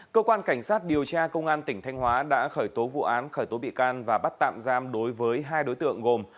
cơ quan cảnh sát điều tra công an tỉnh thanh hóa đã khởi tố vụ án khởi tố bị can và bắt tạm giam đối với hai đối tượng gồm